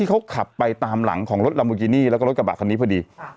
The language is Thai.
ก็ว่าฝั่งของรถละบวกินี่และก็รถกระบะคันนี้พอดี